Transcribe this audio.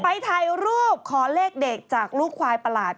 ไปถ่ายรูปขอเลขเด็ดจากลูกควายประหลาด